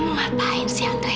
kamu ngapain sih andri